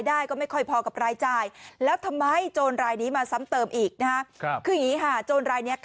ได้ก็ไม่ค่อยพอกับรายจ่ายแล้วทำไมโจรรายนี้มาซ้ำเติมอีกคืออย่างนี้ค่ะโจรรายนี้